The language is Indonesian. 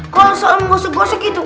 kalau soal gosok gosok itu